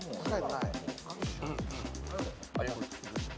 はい。